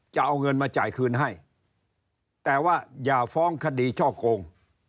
จะเอาเงินมาจ่ายคืนให้แต่ว่าอย่าฟ้องคดีช่อโกง